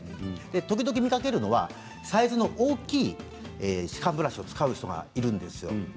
時々見かけるのはサイズの大きい歯間ブラシを使う人がいるんですよ。